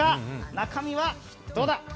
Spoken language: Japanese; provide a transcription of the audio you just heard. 中身はどうだ？